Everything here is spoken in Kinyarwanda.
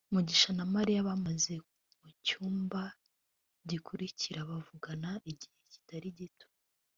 mugisha na mariya bamaze mucyumba gikurikira bavugana igihe kitari gito